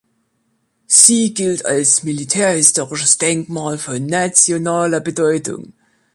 Sie gilt als militärhistorisches Denkmal von nationaler Bedeutung.